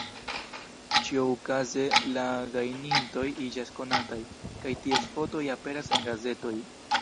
Ĉiuokaze la gajnintoj iĝas konataj kaj ties fotoj aperas en gazetoj.